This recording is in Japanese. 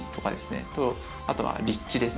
あとは立地ですね